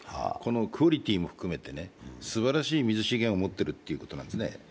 クオリティーも含めてすばらしい水資源を持っているということなんですね。